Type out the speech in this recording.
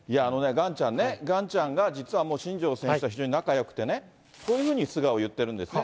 ガンちゃんね、ガンちゃんが実は、新庄選手とは非常に仲よくてね、こういうふうに素顔言ってるんですね。